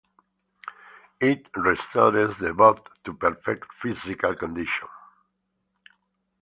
It restores the bot to perfect physical condition.